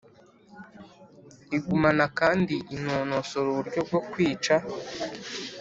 igumana kandi inonosora uburyo bwo kwica